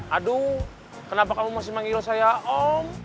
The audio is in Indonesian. aduh kenapa kamu masih manggil saya om